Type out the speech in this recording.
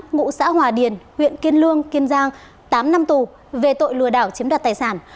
ngụ xã hòa điền huyện kiên lương kiên giang tám năm tù về tội lừa đảo chiếm đoạt tài sản